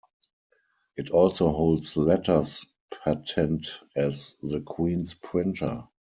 It also holds letters patent as the Queen's Printer.